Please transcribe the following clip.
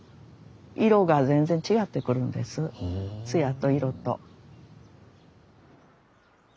色が全然違ってくるんです艶と色と。